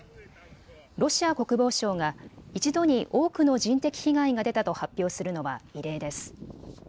ロシア国防省が一度に多くの人的被害が出たと発表するのは異例です。